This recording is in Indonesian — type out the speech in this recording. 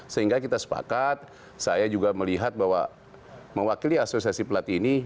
sehingga kita sepakat saya juga melihat bahwa mewakili asosiasi pelatih ini